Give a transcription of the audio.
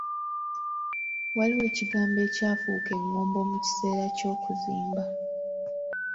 Waliwo ekigambo ekyafuuka eŋŋombo mu kiseera ky’okuzimba.